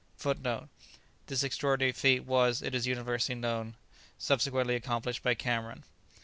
[Footnote: This extraordinary feat was, it is universally known, subsequently accomplished by Cameron.